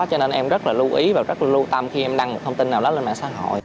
cho nên em rất là lưu ý và rất là lưu tâm khi em đăng một thông tin nào đó lên mạng xã hội